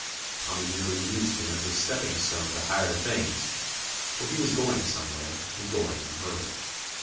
Tommy merely used him as "a. step ping stone to higher things," for he was going somewhere and going in a hurry.